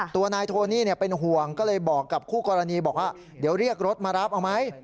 ตัวนายโทนี่เป็นห่วงก็เลยบอกกับคู่กรณีบอกว่าเดี๋ยวเรียกรถมารับเอาไหม